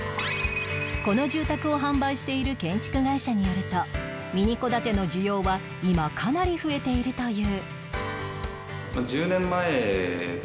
この住宅を販売している建築会社によるとミニ戸建ての需要は今かなり増えているという